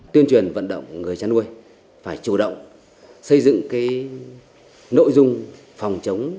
tuyên truyền vận động người chăn nuôi phải chủ động xây dựng cái nội dung phòng chống